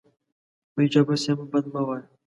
په هیچا پسي بد مه وایه